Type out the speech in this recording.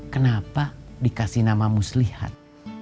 kenapa dikasih nama muslihat